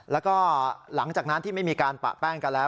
แล้วก็หลังจากนั้นที่ไม่มีการปะแป้งกันแล้ว